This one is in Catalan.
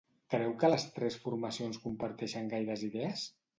Creu que les tres formacions comparteixen gaires idees?